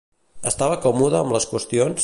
Estava còmode amb les qüestions?